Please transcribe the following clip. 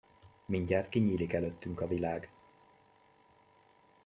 Mindjárt kinyílik előttünk a világ!